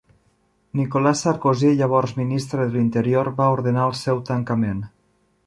Nicolas Sarkozy, llavors ministre de l'Interior, va ordenar el seu tancament.